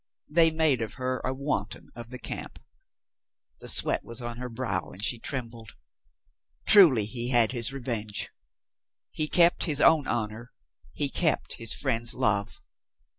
They made of her a wanton of the camp. The sweat was on her brow and she trembled. Truly he had his revenge. He kept his own honor, he kept his friend's love.